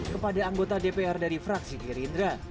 kepada anggota dpr dari fraksi gerindra